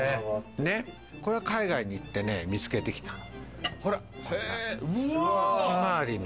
これは海外に行ってね見つけてきたの。